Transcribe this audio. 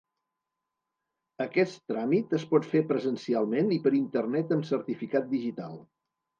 Aquest tràmit es pot fer presencialment i per Internet amb certificat digital.